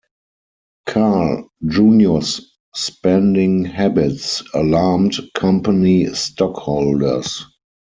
Carl, Junior's spending habits alarmed company stockholders.